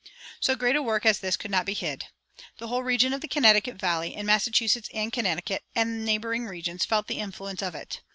So great a work as this could not be hid. The whole region of the Connecticut Valley, in Massachusetts and Connecticut, and neighboring regions felt the influence of it.